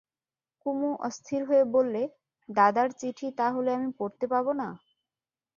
কুমু অস্থির হয়ে বললে, দাদার চিঠি তা হলে আমি পড়তে পাব না?